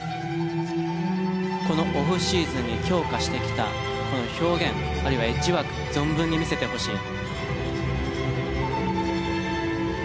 このオフシーズンに強化してきた表現あるいはエッジワーク存分に見せてほしい。